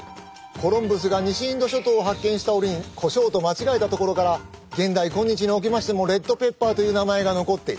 コロンブスが西インド諸島を発見した折にコショウと間違えたところから現代今日におきましてもレッドペッパーという名前が残っている。